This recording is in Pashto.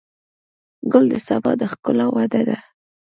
ګل د سبا د ښکلا وعده ده.